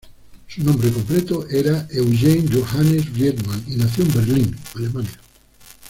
Su nombre completo era Eugen Johannes Riemann, y nació en Berlín, Alemania.